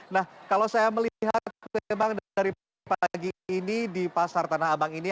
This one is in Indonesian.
nah kalau saya melihat memang dari pagi ini di pasar tanah abang ini